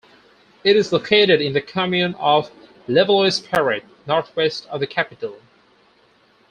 It is located in the commune of Levallois-Perret, northwest of the capital.